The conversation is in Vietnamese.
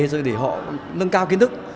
rồi để họ nâng cao kiến thức